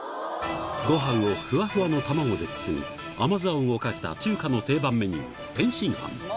ごはんをふわふわの卵で包み、甘酢あんをかけた中華の定番メニュー、天津飯。